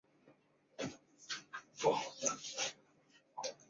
辐叶形软珊瑚为软珊瑚科叶形软珊瑚属下的一个种。